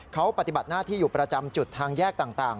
เขาปฏิบัติหน้าที่อยู่ประจำจุดทางแยกต่าง